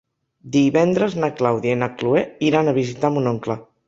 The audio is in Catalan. Divendres na Clàudia i na Cloè iran a visitar mon oncle.